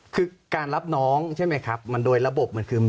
คือการรับน้องใช่ไหมครับมันโดยระบบมันคือ